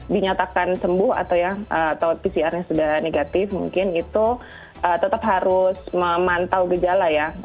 dinyatakan sembuh atau ya atau pcr nya sudah negatif mungkin itu tetap harus memantau gejala ya